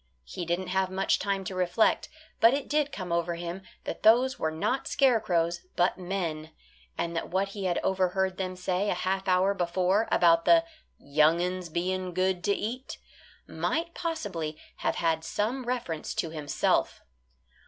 He didn't have much time to reflect, but it did come over him that those were not scarecrows, but men, and that what he had overheard them say a half hour before about the "young uns being good to eat" might possibly have had some reference to himself.